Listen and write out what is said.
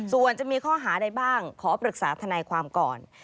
ส่วนจะมีข้อหาใดบ้างขอปรึกษาทนายความก่อน